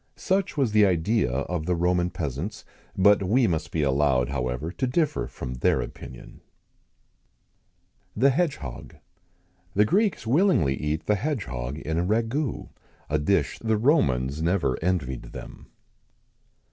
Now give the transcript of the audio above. [XIX 109] Such was the idea of the Roman peasants; but we must be allowed, however, to differ from their opinion. THE HEDGEHOG. The Greeks willingly eat the hedgehog[XIX 110] in a ragoût a dish the Romans never envied them.